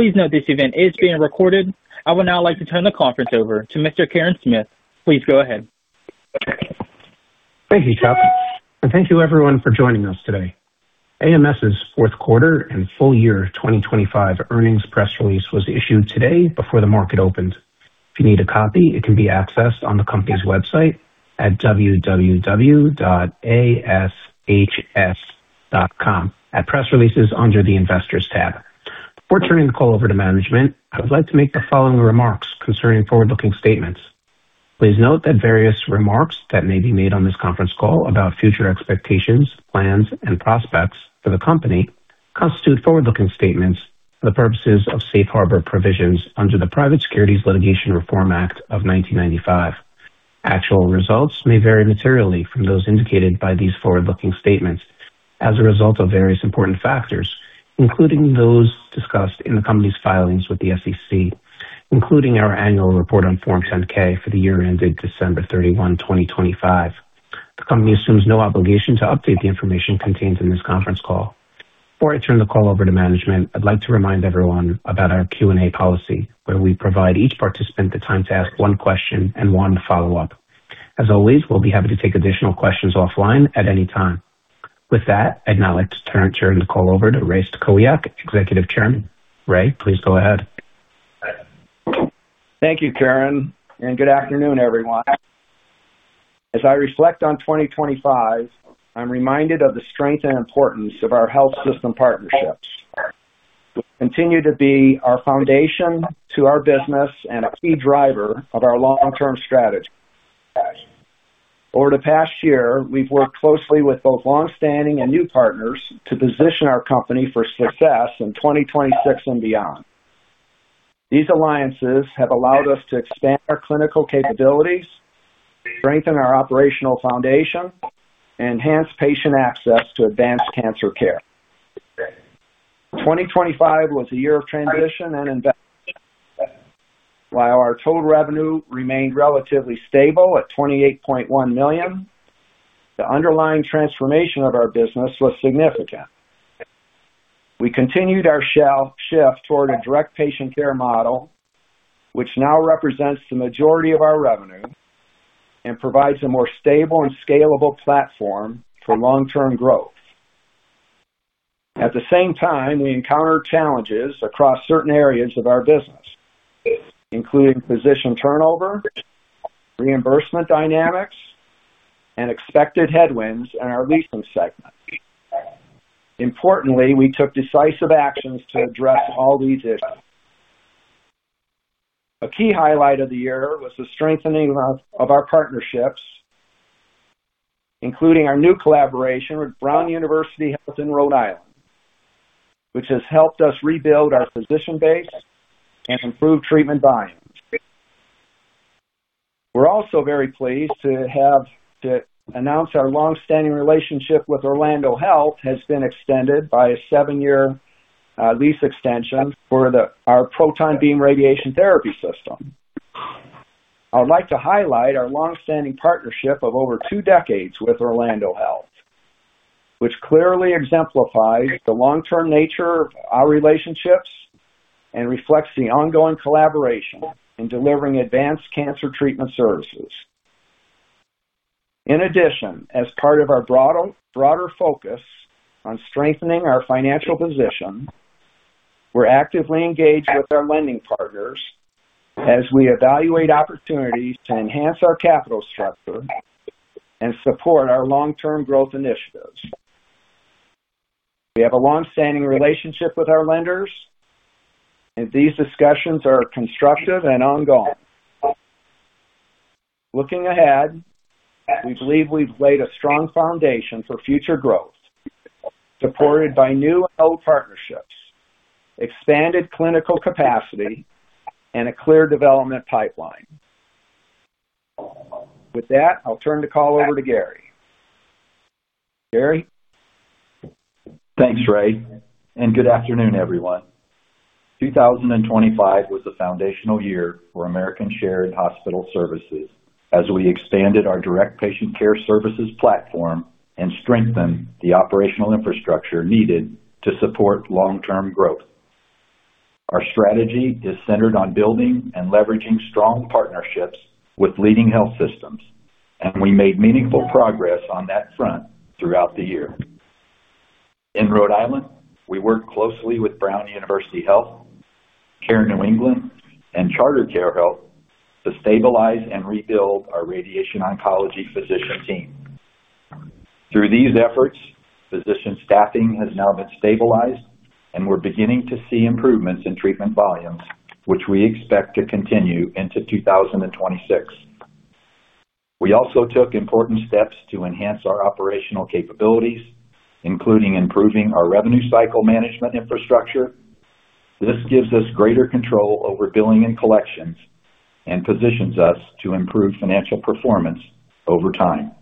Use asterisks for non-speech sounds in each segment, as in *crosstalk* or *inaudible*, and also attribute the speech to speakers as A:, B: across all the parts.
A: Please note this event is being recorded. I would now like to turn the conference over to Mr. Kirin Smith. Please go ahead.
B: Thank you, Chuck, and thank you everyone for joining us today. AMS's fourth quarter and full year 2025 earnings press release was issued today before the market opened. If you need a copy, it can be accessed on the company's website at www.ashs.com at Press Releases under the Investors tab. Before turning the call over to management, I would like to make the following remarks concerning forward-looking statements. Please note that various remarks that may be made on this conference call about future expectations, plans and prospects for the company constitute forward-looking statements for the purposes of safe harbor provisions under the Private Securities Litigation Reform Act of 1995. Actual results may vary materially from those indicated by these forward-looking statements as a result of various important factors, including those discussed in the company's filings with the SEC, including our annual report on Form 10-K for the year ended December 31, 2025. The company assumes no obligation to update the information contained in this conference call. Before I turn the call over to management, I'd like to remind everyone about our Q&A policy, where we provide each participant the time to ask one question and one follow-up. As always, we'll be happy to take additional questions offline at any time. With that, I'd now like to turn the call over to Ray Stachowiak, Executive Chairman. Ray, please go ahead.
C: Thank you, Kirin, and good afternoon, everyone. As I reflect on 2025, I'm reminded of the strength and importance of our health system partnerships, which continue to be our foundation to our business and a key driver of our long-term strategy. Over the past year, we've worked closely with both longstanding and new partners to position our company for success in 2026 and beyond. These alliances have allowed us to expand our clinical capabilities, strengthen our operational foundation, and enhance patient access to advanced cancer care. 2025 was a year of transition and investment. While our total revenue remained relatively stable at $28.1 million, the underlying transformation of our business was significant. We continued our sea change toward a direct patient care model, which now represents the majority of our revenue and provides a more stable and scalable platform for long-term growth. At the same time, we encountered challenges across certain areas of our business, including physician turnover, reimbursement dynamics, and expected headwinds in our leasing segment. Importantly, we took decisive actions to address all these issues. A key highlight of the year was the strengthening of our partnerships, including our new collaboration with Brown University Health in Rhode Island, which has helped us rebuild our physician base and improve treatment volumes. We're also very pleased to have to announce our long-standing relationship with Orlando Health has been extended by a seven year lease extension for our proton beam radiation therapy system. I would like to highlight our long-standing partnership of over two decades with Orlando Health, which clearly exemplifies the long-term nature of our relationships and reflects the ongoing collaboration in delivering advanced cancer treatment services. In addition, as part of our broader focus on strengthening our financial position, we're actively engaged with our lending partners as we evaluate opportunities to enhance our capital structure and support our long-term growth initiatives. We have a long-standing relationship with our lenders, and these discussions are constructive and ongoing. Looking ahead, we believe we've laid a strong foundation for future growth, supported by new and old partnerships, expanded clinical capacity, and a clear development pipeline. With that, I'll turn the call over to Gary. Gary?
D: Thanks, Ray, and good afternoon, everyone. 2025 was a foundational year for American Shared Hospital Services as we expanded our direct patient care services platform and strengthened the operational infrastructure needed to support long-term growth. Our strategy is centered on building and leveraging strong partnerships with leading health systems, and we made meaningful progress on that front throughout the year. In Rhode Island, we worked closely with Brown University Health, Care New England and CharterCARE Health Partners to stabilize and rebuild our radiation oncology physician team. Through these efforts, physician staffing has now been stabilized and we're beginning to see improvements in treatment volumes, which we expect to continue into 2026. We also took important steps to enhance our operational capabilities, including improving our revenue cycle management infrastructure. This gives us greater control over billing and collections and positions us to improve financial performance over time.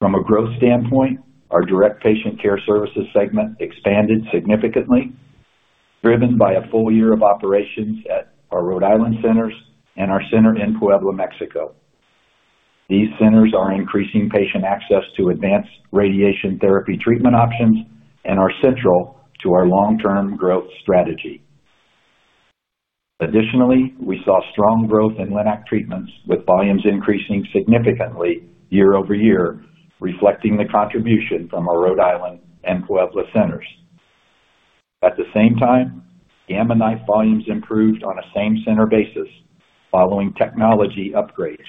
D: From a growth standpoint, our direct patient care services segment expanded significantly, driven by a full year of operations at our Rhode Island centers and our center in Puebla, Mexico. These centers are increasing patient access to advanced radiation therapy treatment options and are central to our long-term growth strategy. Additionally, we saw strong growth in LINAC treatments, with volumes increasing significantly year-over-year, reflecting the contribution from our Rhode Island and Puebla centers. At the same time, Gamma Knife volumes improved on a same-center basis following technology upgrades,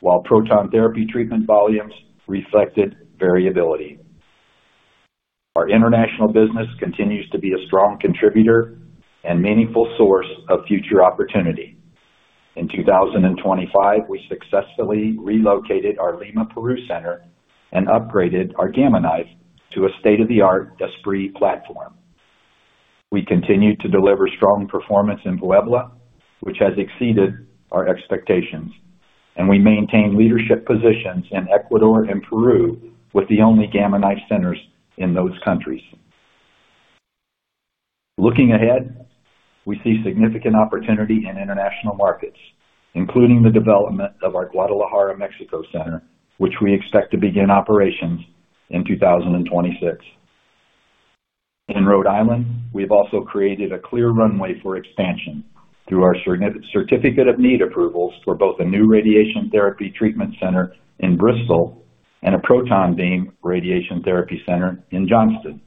D: while proton therapy treatment volumes reflected variability. Our international business continues to be a strong contributor and meaningful source of future opportunity. In 2025, we successfully relocated our Lima, Peru center and upgraded our Gamma Knife to a state-of-the-art Esprit platform. We continue to deliver strong performance in Puebla, which has exceeded our expectations, and we maintain leadership positions in Ecuador and Peru with the only Gamma Knife centers in those countries. Looking ahead, we see significant opportunity in international markets, including the development of our Guadalajara, Mexico center, which we expect to begin operations in 2026. In Rhode Island, we've also created a clear runway for expansion through our certificate of need approvals for both a new radiation therapy treatment center in Bristol and a proton beam radiation therapy center in Johnston.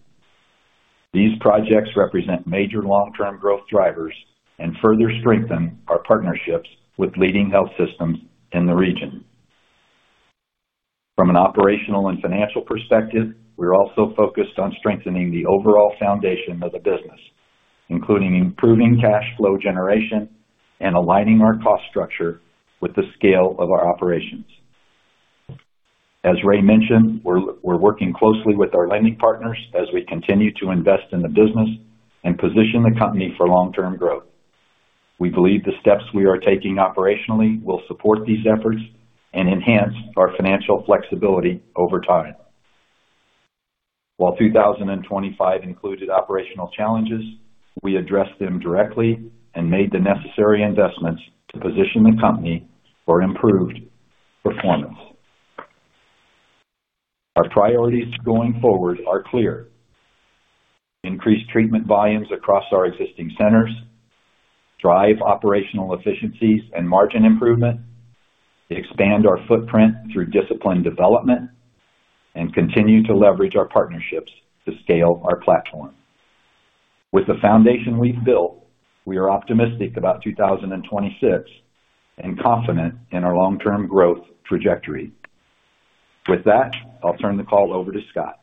D: These projects represent major long-term growth drivers and further strengthen our partnerships with leading health systems in the region. From an operational and financial perspective, we're also focused on strengthening the overall foundation of the business, including improving cash flow generation and aligning our cost structure with the scale of our operations. As Ray mentioned, we're working closely with our lending partners as we continue to invest in the business and position the company for long-term growth. We believe the steps we are taking operationally will support these efforts and enhance our financial flexibility over time. While 2025 included operational challenges, we addressed them directly and made the necessary investments to position the company for improved performance. Our priorities going forward are clear. Increase treatment volumes across our existing centers, drive operational efficiencies and margin improvement, expand our footprint through disciplined development, and continue to leverage our partnerships to scale our platform. With the foundation we've built, we are optimistic about 2026 and confident in our long-term growth trajectory. With that, I'll turn the call over to Scott.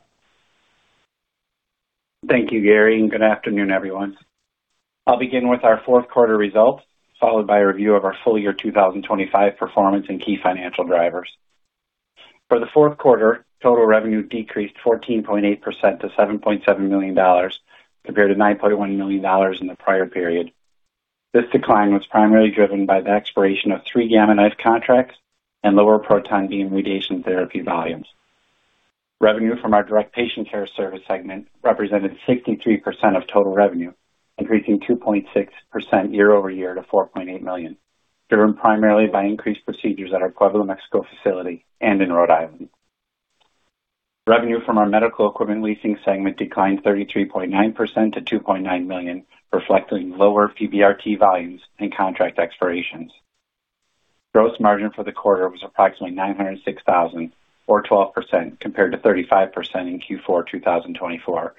E: Thank you, Gary, and good afternoon, everyone. I'll begin with our fourth quarter results, followed by a review of our full-year 2025 performance and key financial drivers. For the fourth quarter, total revenue decreased 14.8% to $7.7 million, compared to $9.1 million in the prior period. This decline was primarily driven by the expiration of three Gamma Knife contracts and lower proton beam radiation therapy volumes. Revenue from our direct patient care service segment represented 63% of total revenue, increasing 2.6% year-over-year to $4.8 million, driven primarily by increased procedures at our Puebla, Mexico facility and in Rhode Island. Revenue from our medical equipment leasing segment declined 33.9% to $2.9 million, reflecting lower PBRT volumes and contract expirations. Gross margin for the quarter was approximately $906,000 or 12% compared to 35% in Q4 2024,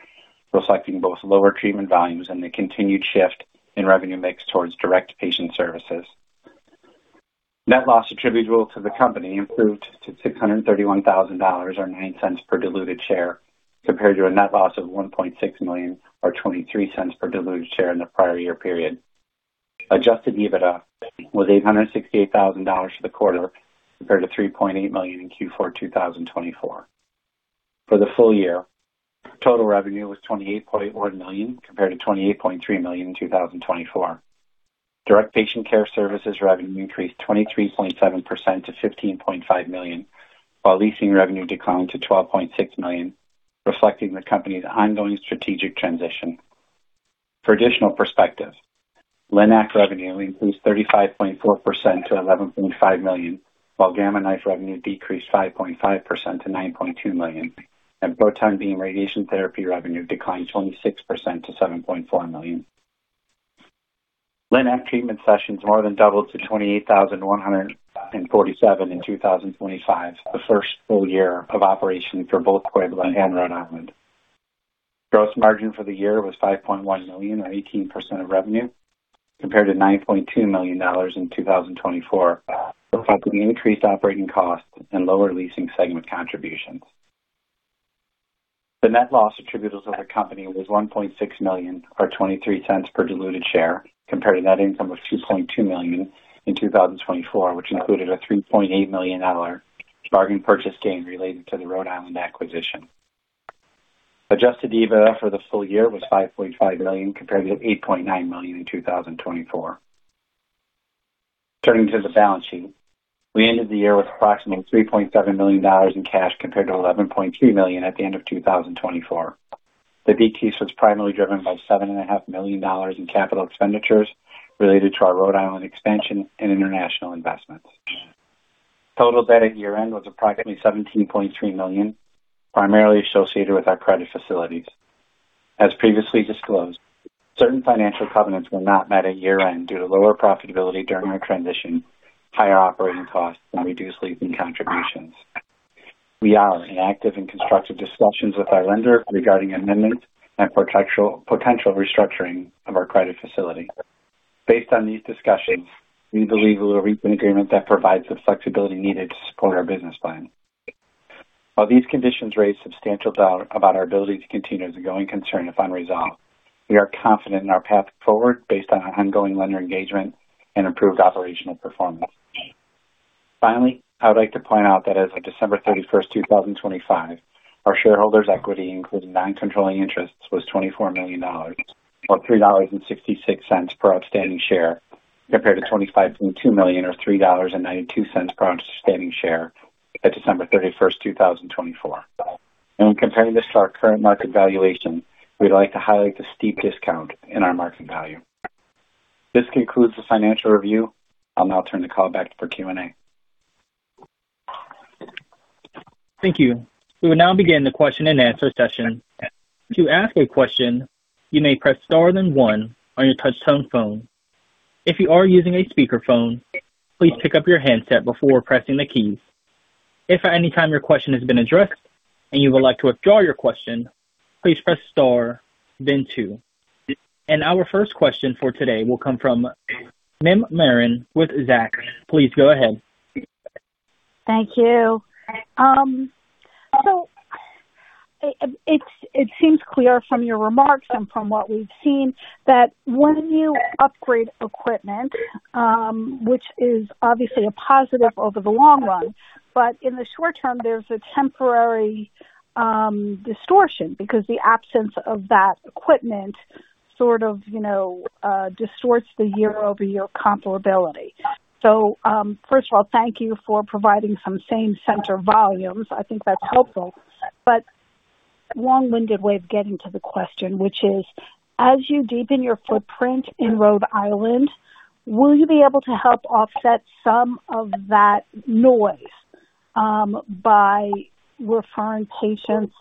E: reflecting both lower treatment volumes and the continued shift in revenue mix towards direct patient services. Net loss attributable to the company improved to $631,000 or $0.09 per diluted share, compared to a net loss of $1.6 million or $0.23 per diluted share in the prior year period. Adjusted EBITDA was $868,000 for the quarter, compared to $3.8 million in Q4 2024. For the full year, total revenue was $28.1 million compared to $28.3 million in 2024. Direct patient care services revenue increased 23.7% to $15.5 million, while leasing revenue declined to $12.6 million, reflecting the company's ongoing strategic transition. For additional perspective, LINAC revenue increased 35.4% to $11.5 million, while Gamma Knife revenue decreased 5.5% to $9.2 million, and proton beam radiation therapy revenue declined 26% to $7.4 million. LINAC treatment sessions more than doubled to 28,147 in 2025, the first full year of operation for both Puebla and Rhode Island. Gross margin for the year was $5.1 million, or 18% of revenue, compared to $9.2 million in 2024, reflecting increased operating costs and lower leasing segment contributions. The net loss attributable to our company was $1.6 million or $0.23 per diluted share, compared to net income of $2.2 million in 2024, which included a $3.8 million bargain purchase gain related to the Rhode Island acquisition. Adjusted EBITDA for the full year was $5.5 million, compared to $8.9 million in 2024. Turning to the balance sheet. We ended the year with approximately $3.7 million in cash compared to $11.3 million at the end of 2024. The decrease was primarily driven by $7.5 million in capital expenditures related to our Rhode Island expansion and international investments. Total debt at year-end was approximately $17.3 million, primarily associated with our credit facilities. As previously disclosed, certain financial covenants were not met at year-end due to lower profitability during our transition, higher operating costs and reduced leasing contributions. We are in active and constructive discussions with our lender regarding amendments and potential restructuring of our credit facility. Based on these discussions, we believe we will reach an agreement that provides the flexibility needed to support our business plan. While these conditions raise substantial doubt about our ability to continue as a going concern if unresolved, we are confident in our path forward based on our ongoing lender engagement and improved operational performance. Finally, I would like to point out that as of December 31st, 2025, our shareholders' equity, including non-controlling interests, was $24 million or $3.66 per outstanding share compared to $25.2 million or $3.92 per outstanding share at December 31st, 2024. When comparing this to our current market valuation, we'd like to highlight the steep discount in our market value. This concludes the financial review. I'll now turn the call back for Q&A.
A: Thank you. We will now begin the question-and-answer session. To ask a question, you may press star then one on your touch tone phone. If you are using a speakerphone, please pick up your handset before pressing the keys. If at any time your question has been addressed and you would like to withdraw your question, please press star then two. Our first question for today will come from Marla Marin with Zacks. Please go ahead.
F: Thank you. It seems clear from your remarks and from what we've seen that when you upgrade equipment, which is obviously a positive over the long run, but in the short term, there's a temporary distortion because the absence of that equipment sort of, you know, distorts the year-over-year comparability. First of all, thank you for providing some same center volumes. I think that's helpful. Long-winded way of getting to the question, which is, as you deepen your footprint in Rhode Island, will you be able to help offset some of that noise by referring patients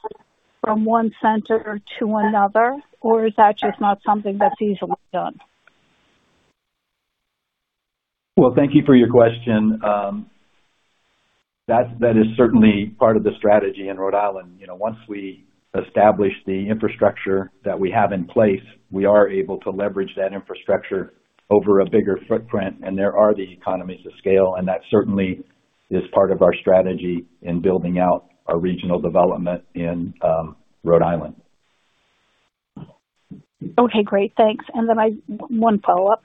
F: from one center to another? Or is that just not something that's easily done?
D: Well, thank you for your question. That is certainly part of the strategy in Rhode Island. You know, once we establish the infrastructure that we have in place, we are able to leverage that infrastructure over a bigger footprint. There are the economies of scale, and that certainly is part of our strategy in building out our regional development in Rhode Island.
F: Okay, great. Thanks. One follow-up.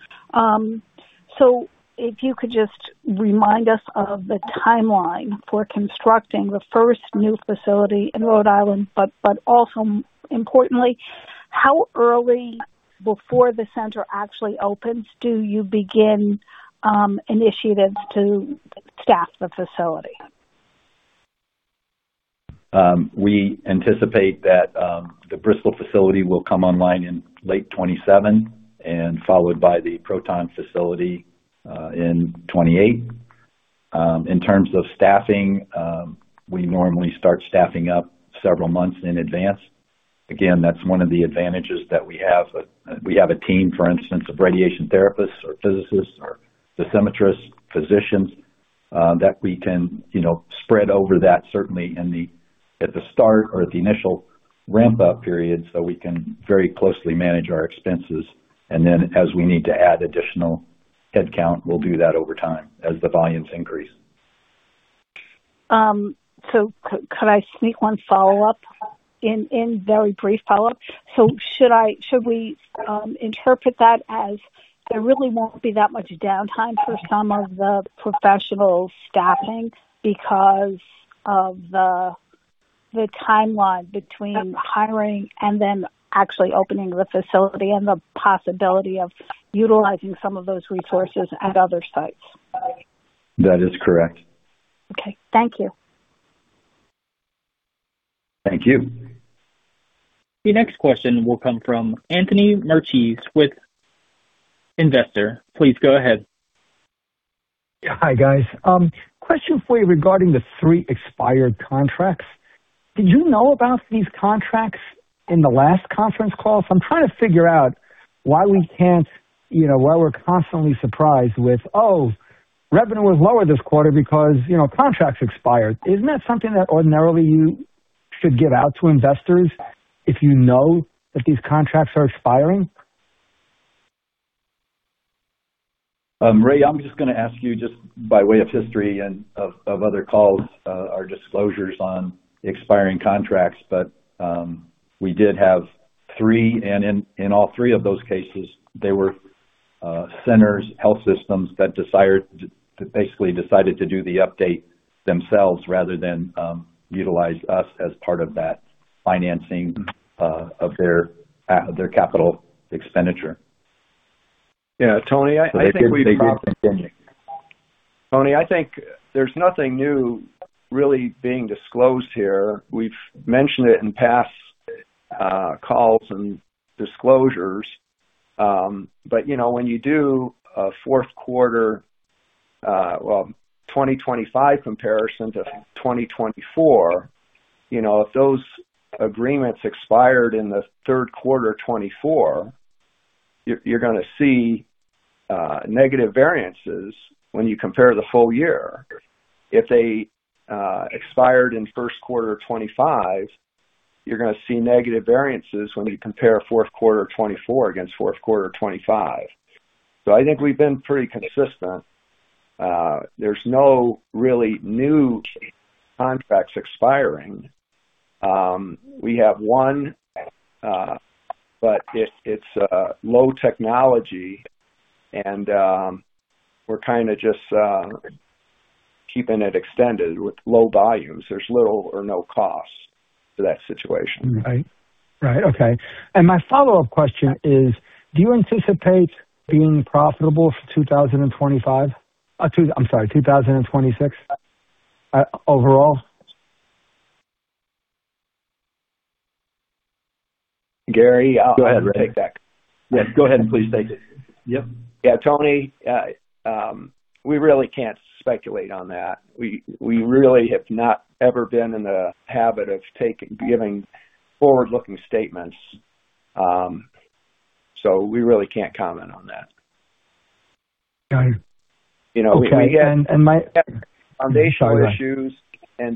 F: If you could just remind us of the timeline for constructing the first new facility in Rhode Island, but also importantly, how early before the center actually opens do you begin initiatives to staff the facility?
D: We anticipate that the Bristol facility will come online in late 2027 and followed by the proton facility in 2028. In terms of staffing, we normally start staffing up several months in advance. Again, that's one of the advantages that we have. We have a team, for instance, of radiation therapists or physicists or dosimetrists, physicians that we can, you know, spread over that certainly at the start or at the initial ramp up period, so we can very closely manage our expenses. As we need to add additional headcount, we'll do that over time as the volumes increase.
F: Could I sneak one follow-up in in very brief follow-up? Should we interpret that as there really won't be that much downtime for some of the professional staffing because of the timeline between hiring and then actually opening the facility and the possibility of utilizing some of those resources at other sites?
D: That is correct.
F: Okay. Thank you.
D: Thank you.
A: The next question will come from Anthony Marchese with Investor. Please go ahead.
G: Yeah. Hi, guys. Question for you regarding the three expired contracts. Did you know about these contracts in the last conference call? I'm trying to figure out why we can't, you know, why we're constantly surprised with, oh, revenue was lower this quarter because, you know, contracts expired. Isn't that something that ordinarily you should give out to investors if you know that these contracts are expiring?
D: Ray, I'm just gonna ask you just by way of history and of other calls, our disclosures on expiring contracts. We did have three, and in all three of those cases, they were centers, health systems that desired to, basically, decided to do the update themselves rather than utilize us as part of that financing of their capital expenditure.
C: Yeah, Tony, I think we've.
D: They did continue.
C: Tony, I think there's nothing new really being disclosed here. We've mentioned it in past calls and disclosures. You know, when you do a fourth quarter, well, 2025 comparison to 2024, you know, if those agreements expired in the third quarter of 2024, you're gonna see negative variances when you compare the full year. If they expired in first quarter of 2025, you're gonna see negative variances when you compare fourth quarter of 2024 against fourth quarter of 2025. I think we've been pretty consistent. There's no really new contracts expiring. We have one, but it's low technology and we're kinda just keeping it extended with low volumes. There's little or no cost to that situation.
G: Right. Okay. My follow-up question is, do you anticipate being profitable for 2025, I'm sorry, 2026, overall?
C: Gary, I'll take that. *crosstalk*
D: Yes, go ahead and please take it. Yep.
C: Yeah. Tony, we really can't speculate on that. We really have not ever been in the habit of giving forward-looking statements. We really can't comment on that.
G: Got it.
C: You know, we had. *crosstalk*
G: Okay.
C: Foundational issues, and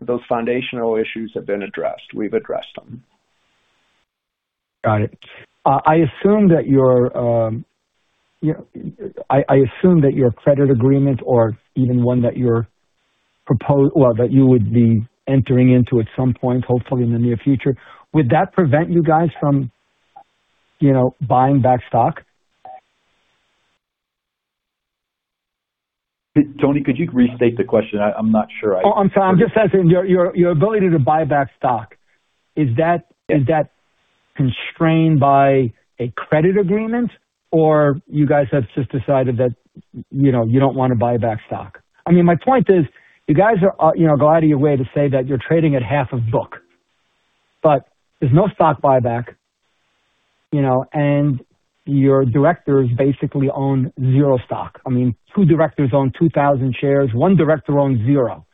C: those foundational issues have been addressed. We've addressed them.
G: Got it. I assume that your credit agreement or even one that you're proposing or that you would be entering into at some point, hopefully in the near future, would that prevent you guys from, you know, buying back stock?
D: Tony, could you restate the question? I'm not sure.
G: Oh, I'm sorry. I'm just asking, your ability to buy back stock, is that constrained by a credit agreement or you guys have just decided that, you know, you don't wanna buy back stock? I mean, my point is you guys are, you know, go out of your way to say that you're trading at half of book, but there's no stock buyback, you know, and your directors basically own zero stock. I mean, two directors own 2,000 shares, one director owns zero.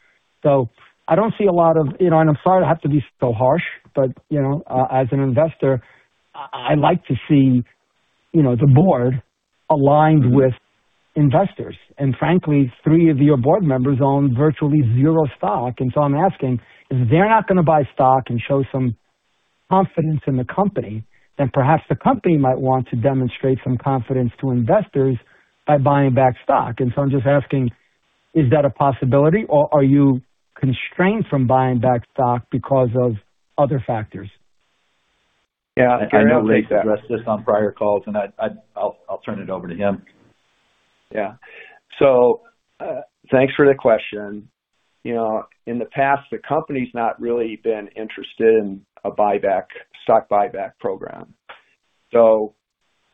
G: I don't see a lot of you know, and I'm sorry to have to be so harsh, but, you know, as an investor, I like to see, you know, the board aligned with investors. Frankly, three of your board members own virtually zero stock and so I'm asking, if they're not gonna buy stock and show some confidence in the company, then perhaps the company might want to demonstrate some confidence to investors by buying back stock. I'm just asking, is that a possibility or are you constrained from buying back stock because of other factors?
C: Yeah. Gary, I'll take that.
D: You've addressed this on prior calls, and I'll turn it over to him.
C: Yeah. Thanks for the question. You know, in the past, the company's not really been interested in a buyback, stock buyback program.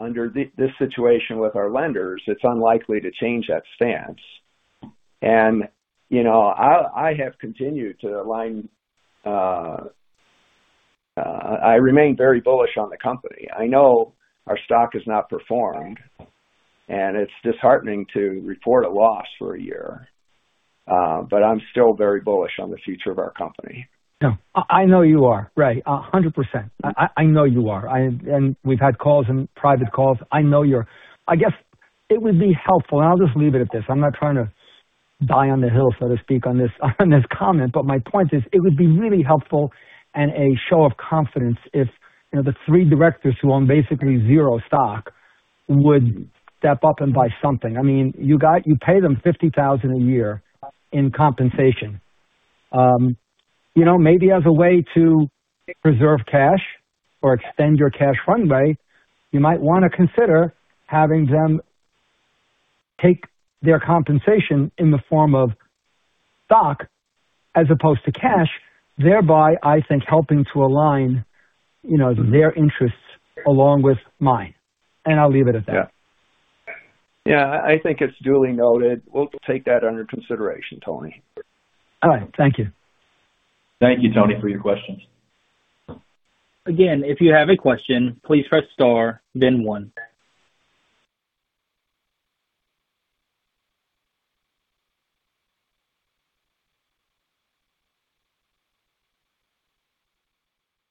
C: Under this situation with our lenders, it's unlikely to change that stance. You know, I have continued to align. I remain very bullish on the company. I know our stock has not performed, and it's disheartening to report a loss for a year, but I'm still very bullish on the future of our company.
G: No, I know you are. Right. 100%. I know you are. We've had calls and private calls. I know you're. I guess it would be helpful, and I'll just leave it at this. I'm not trying to die on the hill, so to speak, on this comment, but my point is it would be really helpful and a show of confidence if, you know, the three directors who own basically zero stock would step up and buy something. I mean, you pay them $50,000 a year in compensation. You know, maybe as a way to preserve cash or extend your cash runway, you might wanna consider having them take their compensation in the form of stock as opposed to cash, thereby, I think, helping to align, you know, their interests along with mine. I'll leave it at that.
C: Yeah. Yeah. I think it's duly noted. We'll take that under consideration, Tony.
G: All right. Thank you.
D: Thank you, Tony, for your questions.
A: Again, if you have a question, please press star then one.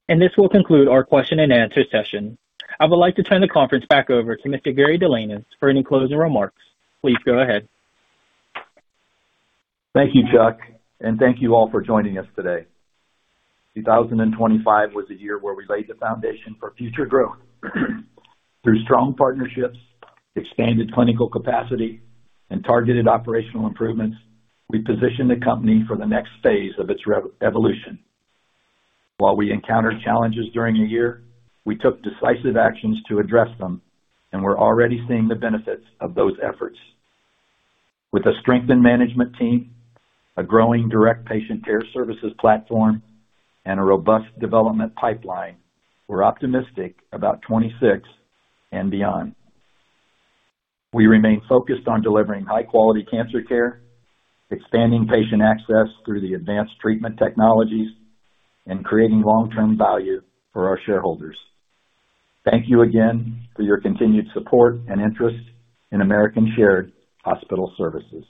A: This will conclude our question and answer session. I would like to turn the conference back over to Mr. Gary Delanois for any closing remarks. Please go ahead.
D: Thank you, Chuck, and thank you all for joining us today. 2025 was a year where we laid the foundation for future growth. Through strong partnerships, expanded clinical capacity, and targeted operational improvements, we positioned the company for the next phase of its evolution. While we encountered challenges during the year, we took decisive actions to address them, and we're already seeing the benefits of those efforts. With a strengthened management team, a growing direct patient care services platform, and a robust development pipeline, we're optimistic about 2026 and beyond. We remain focused on delivering high-quality cancer care, expanding patient access through the advanced treatment technologies, and creating long-term value for our shareholders. Thank you again for your continued support and interest in American Shared Hospital Services.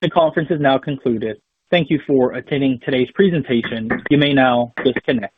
A: The conference has now concluded. Thank you for attending today's presentation. You may now disconnect.